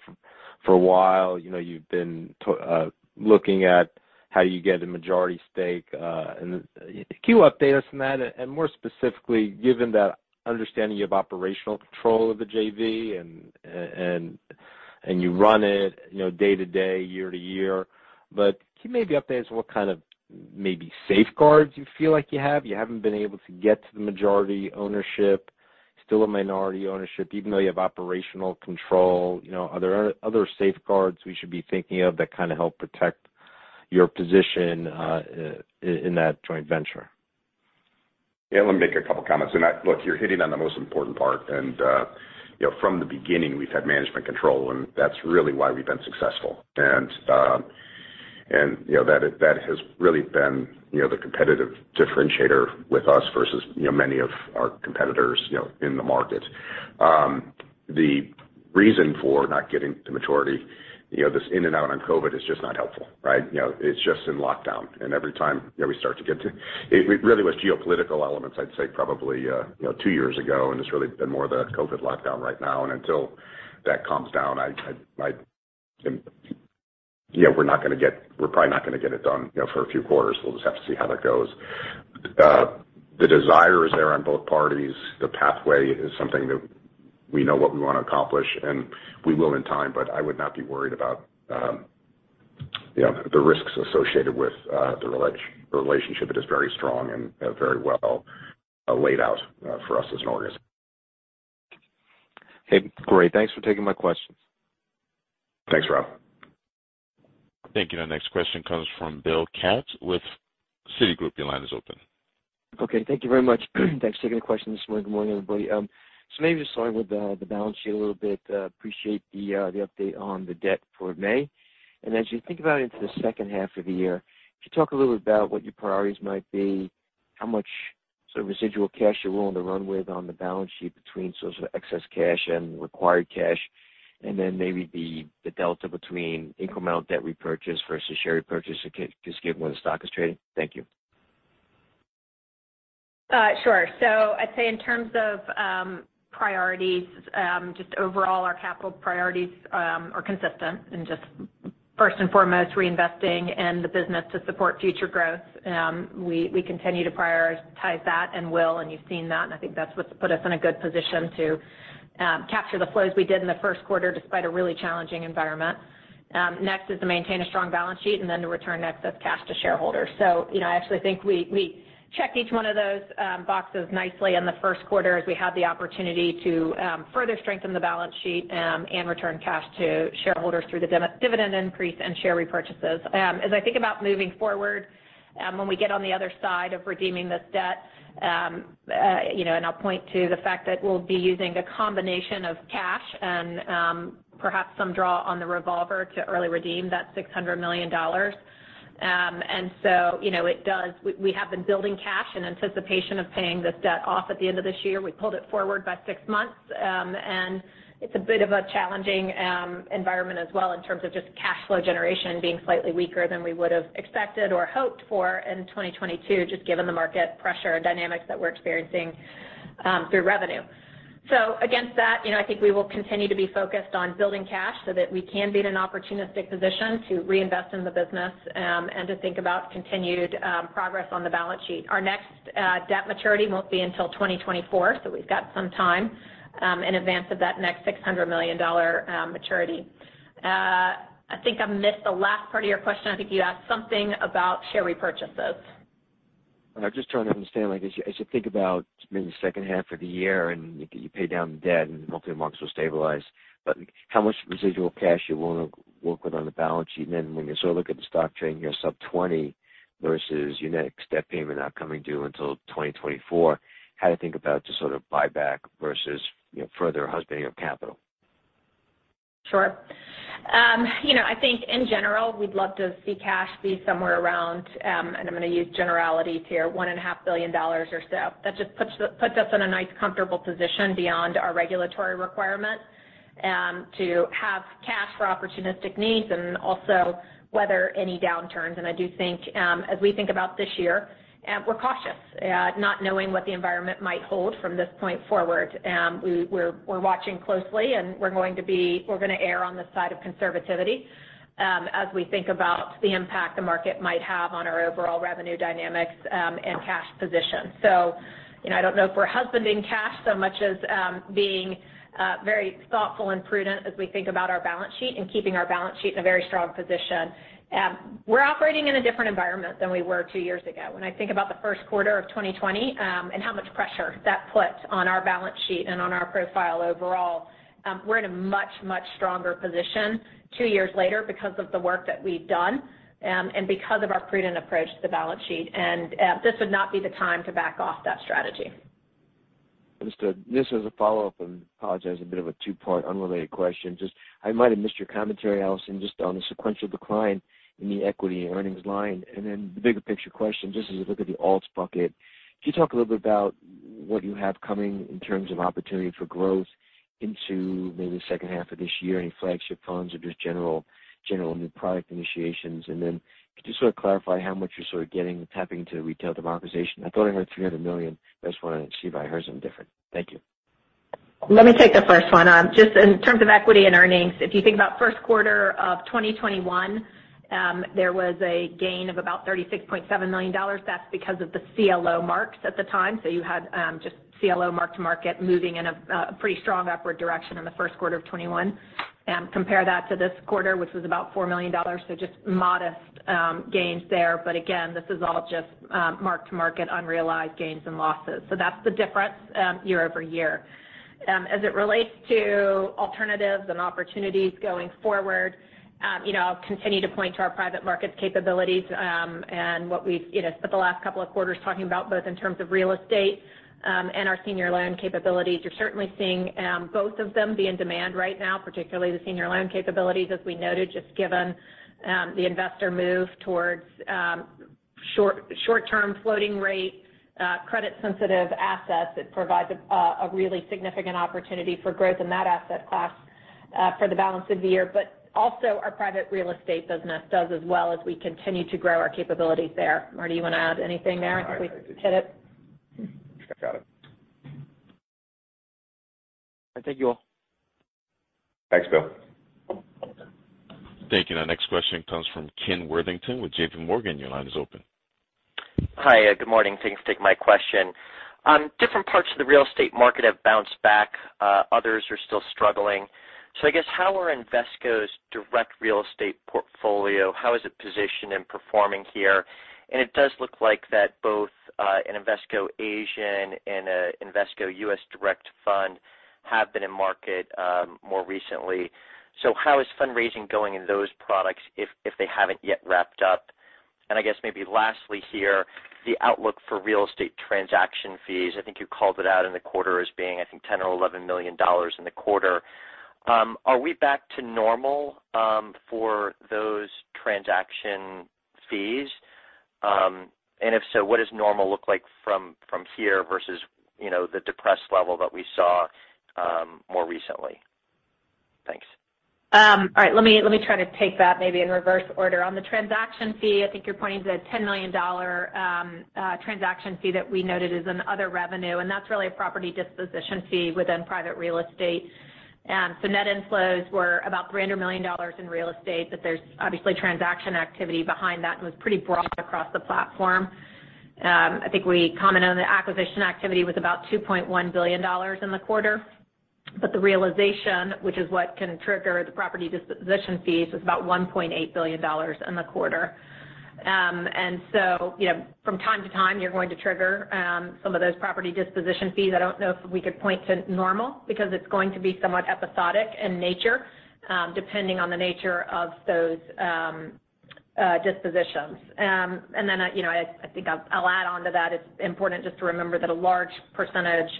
for a while, you know, you've been looking at how you get a majority stake, and can you update us on that? More specifically, given that understanding you have operational control of the JV and you run it, you know, day to day, year to year. Can you maybe update us what kind of maybe safeguards you feel like you have? You haven't been able to get to the majority ownership, still a minority ownership, even though you have operational control, you know, are there other safeguards we should be thinking of that kinda help protect your position in that joint venture? Yeah, let me make a couple comments. Look, you're hitting on the most important part. You know, from the beginning, we've had management control, and that's really why we've been successful. You know, that has really been the competitive differentiator with us versus you know, many of our competitors you know, in the market. The reason for not getting the majority, you know, this in and out on COVID is just not helpful, right? You know, it's just in lockdown. Every time, you know, we start to get to it really was geopolitical elements, I'd say probably you know, two years ago, and it's really been more of the COVID lockdown right now. Until that calms down, you know, we're probably not gonna get it done, you know, for a few quarters. We'll just have to see how that goes. The desire is there on both parties. The pathway is something that we know what we wanna accomplish, and we will in time, but I would not be worried about, you know, the risks associated with the relationship. It is very strong and very well laid out for us as an organization. Okay, great. Thanks for taking my questions. Thanks, Rob. Thank you. Our next question comes from Bill Katz with Citigroup. Your line is open. Okay, thank you very much. Thanks for taking the question this morning. Good morning, everybody. Maybe just starting with the balance sheet a little bit. Appreciate the update on the debt for May. As you think about into the second half of the year, could you talk a little bit about what your priorities might be, how much sort of residual cash you're willing to run with on the balance sheet between sort of excess cash and required cash, and then maybe the delta between incremental debt repurchase versus share repurchase, just given where the stock is trading? Thank you. I'd say in terms of priorities, just overall our capital priorities are consistent and just first and foremost reinvesting in the business to support future growth. We continue to prioritize that and will, and you've seen that, and I think that's what's put us in a good position to capture the flows we did in the Q1 despite a really challenging environment. Next is to maintain a strong balance sheet and then to return excess cash to shareholders. You know, I actually think we checked each one of those boxes nicely in the Q1 as we had the opportunity to further strengthen the balance sheet, and return cash to shareholders through the dividend increase and share repurchases. As I think about moving forward, when we get on the other side of redeeming this debt, you know, and I'll point to the fact that we'll be using a combination of cash and, perhaps some draw on the revolver to early redeem that $600 million. You know, we have been building cash in anticipation of paying this debt off at the end of this year. We pulled it forward by six months. It's a bit of a challenging environment as well in terms of just cash flow generation being slightly weaker than we would have expected or hoped for in 2022, just given the market pressure and dynamics that we're experiencing, through revenue. Against that, you know, I think we will continue to be focused on building cash so that we can be in an opportunistic position to reinvest in the business, and to think about continued progress on the balance sheet. Our next debt maturity won't be until 2024, so we've got some time in advance of that next $600 million maturity. I think I missed the last part of your question. I think you asked something about share repurchases. I'm just trying to understand, like, as you, as you think about maybe the second half of the year and you pay down the debt and hopefully markets will stabilize, but how much residual cash you wanna work with on the balance sheet? Then when you sort of look at the stock trading, you know, sub 20 versus your next debt payment not coming due until 2024, how to think about just sort of buyback versus, you know, further husbanding of capital? Sure. You know, I think in general, we'd love to see cash be somewhere around, and I'm gonna use generalities here, one and a half billion dollars or so. That just puts us in a nice comfortable position beyond our regulatory requirements, to have cash for opportunistic needs and also weather any downturns. I do think, as we think about this year, we're cautious, not knowing what the environment might hold from this point forward. We're watching closely, and we're gonna err on the side of conservatism, as we think about the impact the market might have on our overall revenue dynamics, and cash position. You know, I don't know if we're husbanding cash so much as being very thoughtful and prudent as we think about our balance sheet and keeping our balance sheet in a very strong position. We're operating in a different environment than we were two years ago. When I think about the Q1 of 2020 and how much pressure that put on our balance sheet and on our profile overall, we're in a much, much stronger position two years later because of the work that we've done and because of our prudent approach to the balance sheet. This would not be the time to back off that strategy. Understood. Just as a follow-up, and I apologize, a bit of a two-part unrelated question. Just, I might have missed your commentary, Allison, just on the sequential decline in the equity earnings line. The bigger picture question, just as you look at the alts bucket, could you talk a little bit about what you have coming in terms of opportunity for growth into maybe the second half of this year, any flagship funds or just general new product initiations? Could you sort of clarify how much you're sort of tapping into retail democratization? I thought I heard $300 million. I just wanted to see if I heard something different. Thank you. Let me take the first one. Just in terms of equity and earnings, if you think about Q1 of 2021, there was a gain of about $36.7 million. That's because of the CLO marks at the time. You had just CLO mark-to-market moving in a pretty strong upward direction in the Q1 of 2021. Compare that to this quarter, which was about $4 million, so just modest gains there. Again, this is all just mark-to-market unrealized gains and losses. That's the difference year-over-year. As it relates to alternatives and opportunities going forward, you know, I'll continue to point to our private markets capabilities, and what we've, you know, spent the last couple of quarters talking about, both in terms of real estate, and our senior loan capabilities. You're certainly seeing both of them be in demand right now, particularly the senior loan capabilities, as we noted, just given the investor move towards short-term floating rate credit sensitive assets. It provides a really significant opportunity for growth in that asset class for the balance of the year. Also our private real estate business does as well as we continue to grow our capabilities there. Marty, you wanna add anything there? No, I think you hit it. Hit it. I thank you all. Thanks, Bill. Thank you. Our next question comes from Ken Worthington with JPMorgan. Your line is open. Hi. Good morning. Thanks for taking my question. Different parts of the real estate market have bounced back, others are still struggling. I guess how are Invesco's direct real estate portfolio, how is it positioned and performing here? It does look like both, an Invesco Asia and an Invesco U.S. direct fund have been in market, more recently. How is fundraising going in those products if they haven't yet wrapped up? I guess maybe lastly here, the outlook for real estate transaction fees. I think you called it out in the quarter as being, I think $10 million or $11 million in the quarter. Are we back to normal, for those transaction fees? If so, what does normal look like from here versus, you know, the depressed level that we saw, more recently? Thanks. All right. Let me try to take that maybe in reverse order. On the transaction fee, I think you're pointing to the $10 million transaction fee that we noted as other revenue, and that's really a property disposition fee within private real estate. Net inflows were about $300 million in real estate, but there's obviously transaction activity behind that, and was pretty broad across the platform. I think we commented on the acquisition activity was about $2.1 billion in the quarter. The realization, which is what can trigger the property disposition fees, was about $1.8 billion in the quarter. You know, from time to time, you're going to trigger some of those property disposition fees. I don't know if we could point to normal because it's going to be somewhat episodic in nature, depending on the nature of those dispositions. You know, I think I'll add on to that. It's important just to remember that a large percentage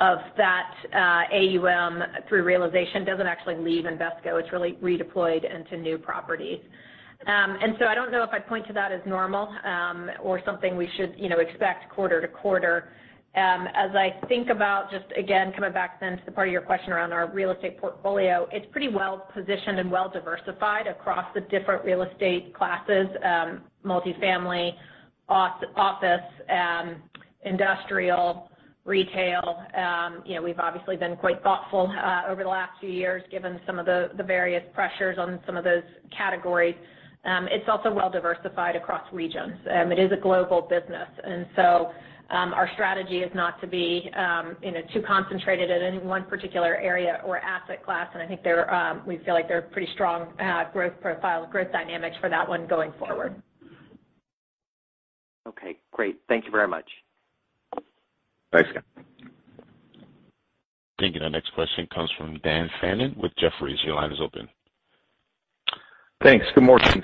of that AUM through realization doesn't actually leave Invesco. It's really redeployed into new properties. I don't know if I'd point to that as normal, or something we should, you know, expect quarter to quarter. As I think about just again coming back then to the part of your question around our real estate portfolio, it's pretty well positioned and well diversified across the different real estate classes, multifamily, office, industrial, retail. You know, we've obviously been quite thoughtful over the last few years, given some of the various pressures on some of those categories. It's also well diversified across regions. It is a global business. Our strategy is not to be, you know, too concentrated at any one particular area or asset class. We feel like they're pretty strong growth profile, growth dynamics for that one going forward. Okay, great. Thank you very much. Thanks, Ken. Thank you. Our next question comes from Dan Fannon with Jefferies. Your line is open. Thanks. Good morning.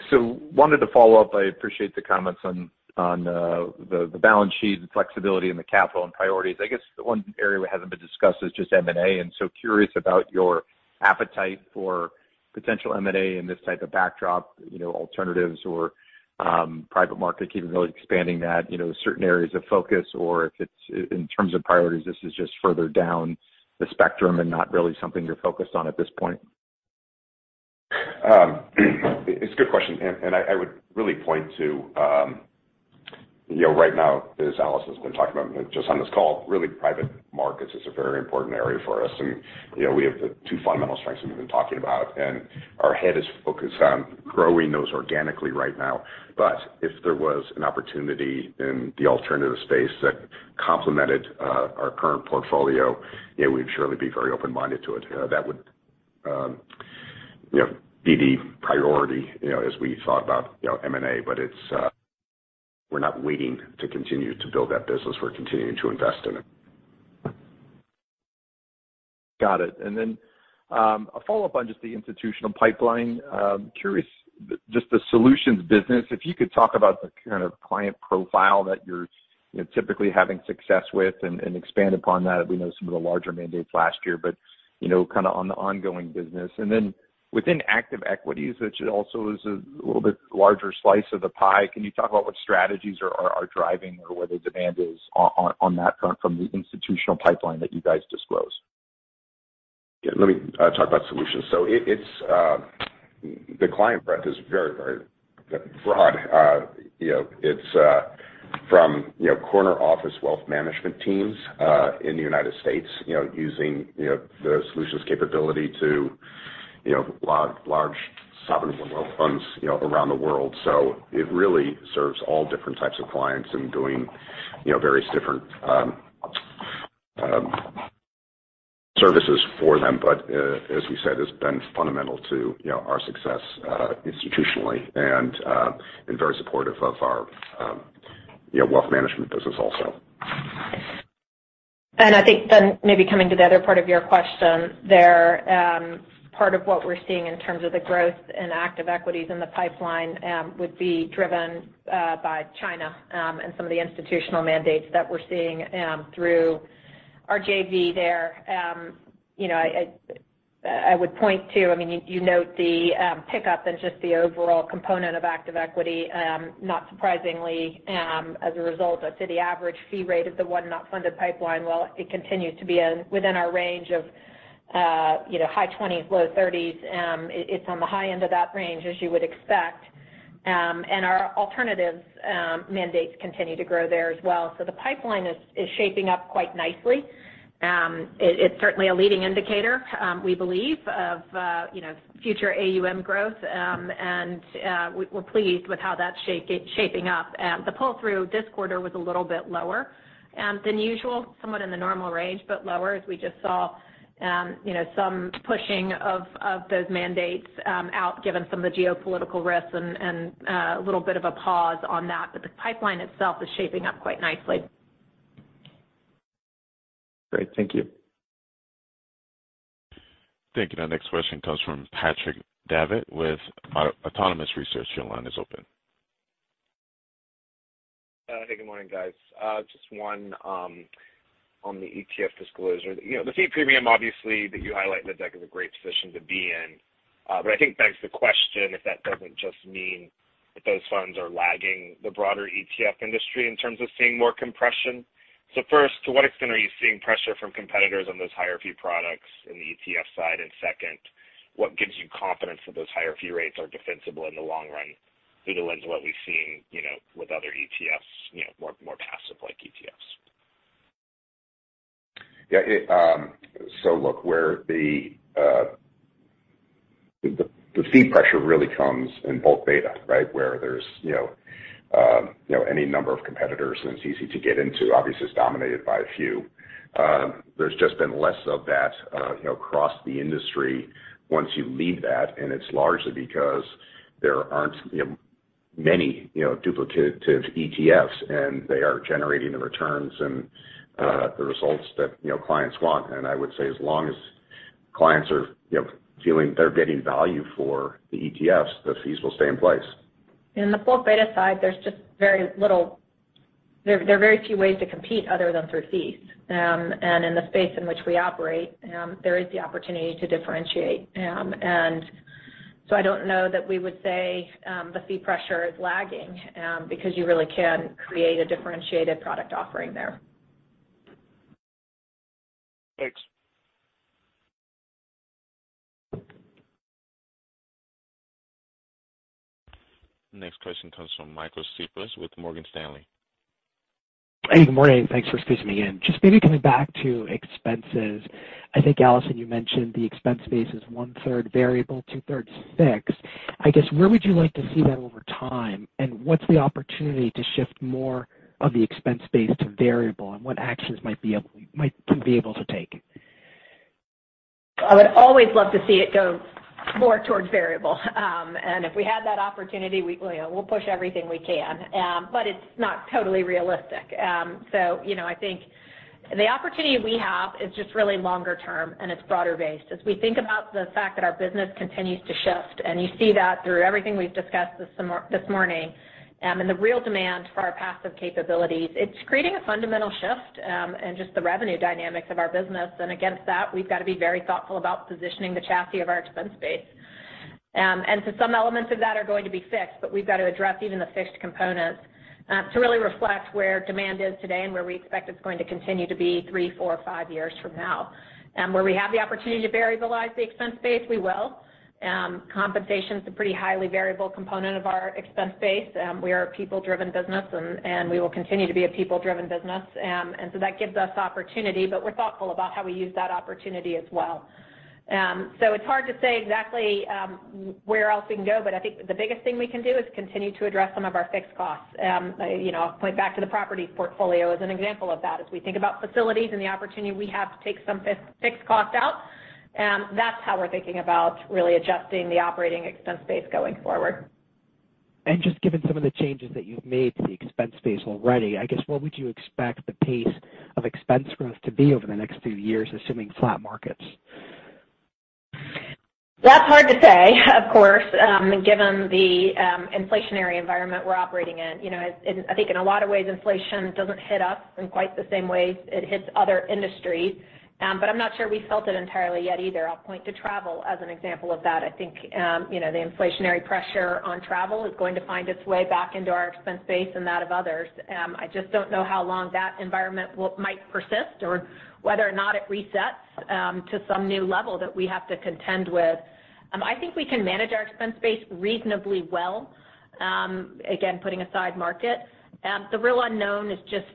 Wanted to follow up. I appreciate the comments on the balance sheet, the flexibility in the capital and priorities. I guess the one area that hasn't been discussed is just M&A, and so curious about your appetite for potential M&A in this type of backdrop, you know, alternatives or private market capability, expanding that, you know, certain areas of focus or if it's in terms of priorities, this is just further down the spectrum and not really something you're focused on at this point. It's a good question, and I would really point to, you know, right now, as Allison has been talking about just on this call, really private markets is a very important area for us. You know, we have the two fundamental strengths that we've been talking about, and our head is focused on growing those organically right now. If there was an opportunity in the alternative space that complemented our current portfolio, you know, we'd surely be very open-minded to it. That would, you know, be the priority, you know, as we thought about, you know, M&A, but we're not waiting to continue to build that business. We're continuing to invest in it. Got it. Then, a follow-up on just the institutional pipeline. Curious, just the solutions business, if you could talk about the kind of client profile that you're, you know, typically having success with and expand upon that. We know some of the larger mandates last year, but you know, kind of on the ongoing business. Then within active equities, which also is a little bit larger slice of the pie, can you talk about what strategies are driving or where the demand is on that front from the institutional pipeline that you guys disclose? Let me talk about solutions. It's the client breadth is very, very broad. You know, it's from you know, corner office wealth management teams in the United States, you know, using you know, the solutions capability to you know, large sovereign wealth funds you know, around the world. It really serves all different types of clients in doing you know, various different services for them. As we said, it's been fundamental to you know, our success institutionally and very supportive of our you know, wealth management business also. I think then maybe coming to the other part of your question there, part of what we're seeing in terms of the growth in active equities in the pipeline would be driven by China and some of the institutional mandates that we're seeing through our JV there, you know, I would point to. I mean, you note the pickup in just the overall component of active equity, not surprisingly, as a result of the average fee rate of the unfunded pipeline. Well, it continues to be within our range of high 20s-low 30s. It's on the high end of that range as you would expect. And our alternatives mandates continue to grow there as well. The pipeline is shaping up quite nicely. It's certainly a leading indicator, we believe, of you know future AUM growth. We're pleased with how that's shaping up. The pull-through this quarter was a little bit lower than usual, somewhat in the normal range, but lower as we just saw you know some pushing of those mandates out given some of the geopolitical risks and a little bit of a pause on that. The pipeline itself is shaping up quite nicely. Great. Thank you. Thank you. The next question comes from Patrick Davitt with Autonomous Research. Your line is open. Hey, good morning, guys. Just one on the ETF disclosure. You know, the fee premium obviously that you highlight in the deck is a great position to be in. But I think it begs the question, if that doesn't just mean that those funds are lagging the broader ETF industry in terms of seeing more compression. First, to what extent are you seeing pressure from competitors on those higher fee products in the ETF side? And second, what gives you confidence that those higher fee rates are defensible in the long run through the lens of what we've seen, you know, with other ETFs, you know, more passive-like ETFs? Yeah, it, where the fee pressure really comes in broad beta, right? Where there's, you know, you know, any number of competitors and it's easy to get into. Obviously, it's dominated by a few. There's just been less of that, you know, across the industry once you leave that, and it's largely because there aren't, you know, many, you know, duplicative ETFs, and they are generating the returns and the results that, you know, clients want. I would say as long as clients are, you know, feeling they're getting value for the ETFs, those fees will stay in place. In the broad beta side, there's just very little. There are very few ways to compete other than through fees. In the space in which we operate, there is the opportunity to differentiate. I don't know that we would say the fee pressure is lagging, because you really can create a differentiated product offering there. Thanks. Next question comes from Michael Cyprys with Morgan Stanley. Hey, good morning. Thanks for squeezing me in. Just maybe coming back to expenses. I think, Allison, you mentioned the expense base is one-third variable, two-thirds fixed. I guess, where would you like to see that over time? What's the opportunity to shift more of the expense base to variable, and what actions might you be able to take? I would always love to see it go more towards variable. If we had that opportunity, you know, we'll push everything we can. But it's not totally realistic. You know, I think the opportunity we have is just really longer term and it's broader based. As we think about the fact that our business continues to shift, and you see that through everything we've discussed this morning, and the real demand for our passive capabilities, it's creating a fundamental shift in just the revenue dynamics of our business. Against that, we've got to be very thoughtful about positioning the chassis of our expense base. Some elements of that are going to be fixed, but we've got to address even the fixed components to really reflect where demand is today and where we expect it's going to continue to be three, four, five years from now. Where we have the opportunity to variabilize the expense base, we will. Compensation is a pretty highly variable component of our expense base. We are a people-driven business and we will continue to be a people-driven business. That gives us opportunity, but we're thoughtful about how we use that opportunity as well. It's hard to say exactly where else we can go, but I think the biggest thing we can do is continue to address some of our fixed costs. You know, I'll point back to the property portfolio as an example of that. As we think about facilities and the opportunity we have to take some fixed costs out, that's how we're thinking about really adjusting the operating expense base going forward. Just given some of the changes that you've made to the expense base already, I guess what would you expect the pace of expense growth to be over the next few years, assuming flat markets? That's hard to say, of course, given the inflationary environment we're operating in. You know, I think in a lot of ways, inflation doesn't hit us in quite the same way it hits other industries. I'm not sure we felt it entirely yet either. I'll point to travel as an example of that. I think, you know, the inflationary pressure on travel is going to find its way back into our expense base and that of others. I just don't know how long that environment might persist or whether or not it resets to some new level that we have to contend with. I think we can manage our expense base reasonably well, again, putting aside market. The real unknown is just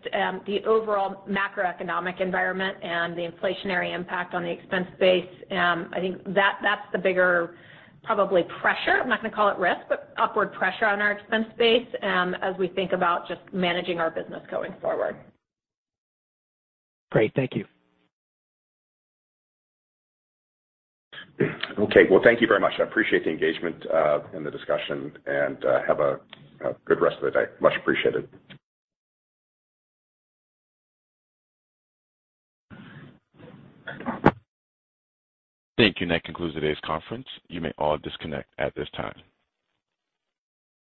the overall macroeconomic environment and the inflationary impact on the expense base. I think that's the bigger probably pressure. I'm not gonna call it risk, but upward pressure on our expense base, as we think about just managing our business going forward. Great. Thank you. Okay. Well, thank you very much. I appreciate the engagement and the discussion, and have a good rest of the day. Much appreciated. Thank you. That concludes today's conference. You may all disconnect at this time.